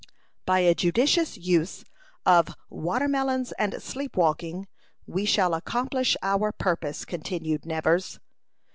"By a judicious use of watermelons and sleep walking, we shall accomplish our purpose," continued Nevers.